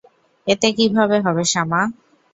এতে কীভাবে হবে, শামা?